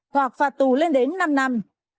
hoặc phạt tù lên đến năm năm